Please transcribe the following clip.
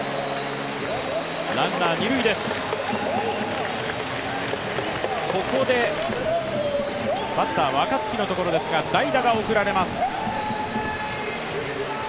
ランナー二塁です、ここでバッター若月のところですが、代打が送られます。